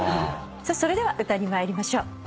それでは歌に参りましょう。